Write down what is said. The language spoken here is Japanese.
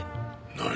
何！？